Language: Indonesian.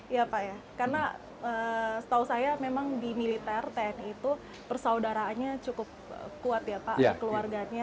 ya pak ya karena setahu saya memang di militer tni itu persaudaraannya cukup kuat ya pak keluarganya